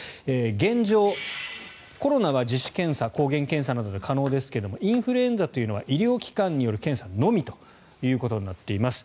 現状、コロナは自主検査抗原検査などで可能ですがインフルエンザは医療機関による検査のみとなっています。